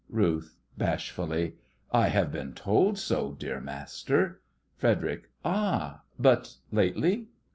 RUTH: (bashfully) I have been told so, dear master. FREDERIC: Ah, but lately?